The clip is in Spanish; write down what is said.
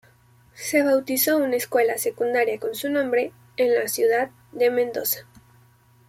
Se bautizo una escuela secundaria con su nombre, en la ciudad de Mendoza.